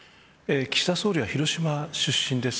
岸田総理は広島出身です。